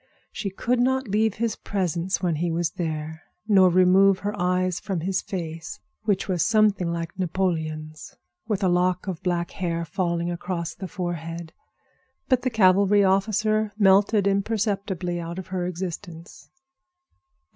She could not leave his presence when he was there, nor remove her eyes from his face, which was something like Napoleon's, with a lock of black hair failing across the forehead. But the cavalry officer melted imperceptibly out of her existence.